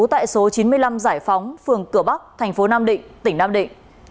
tại số chín mươi năm giải phóng phường cửa bắc tp nam định tỉnh nam định